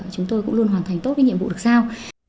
chúng tôi cũng luôn hoàn thành tốt cái nhiệm vụ được giao